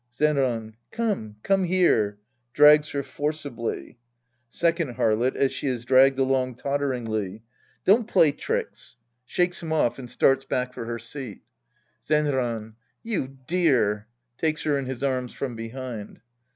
Zenran. Come, come here. {Drags her forcibly.) Second Harlot {as she is dragged along totteringly). Don't play tricks. {Shakes him off and starts back for her seat. Zenran. You dear. {J^akes her in his arms from behind.)